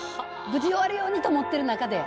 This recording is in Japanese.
無事終わるようにと思ってる中で。